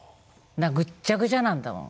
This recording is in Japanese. ぐっちゃぐちゃなんだもん。